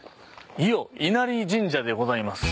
伊豫稲荷神社でございます。